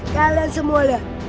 kalian semua lah